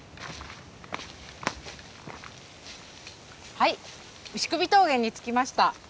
はい牛首峠に着きました。